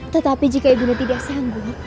tetapi jika ibu nua tidak sanggup